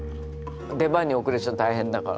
出番に遅れちゃうと大変だから。